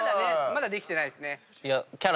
まだできてないですね。